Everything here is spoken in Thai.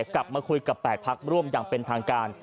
กลับมาคุยกับ๘พักร่วมอย่างเป็นทางการ